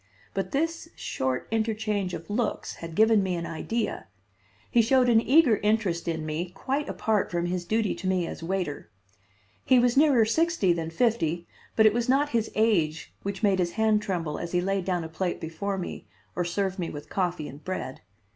But this short interchange of looks had given me an idea. He showed an eager interest in me quite apart from his duty to me as waiter. He was nearer sixty, than fifty, but it was not his age which made his hand tremble as he laid down a plate before me or served me with coffee and bread.